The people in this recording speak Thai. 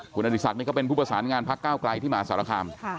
คุณอดิษัทนี่ก็เป็นผู้ประสานงานพรรคเก้ากลายที่มหาศรคาม